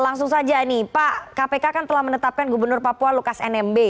langsung saja nih pak kpk kan telah menetapkan gubernur papua lukas nmb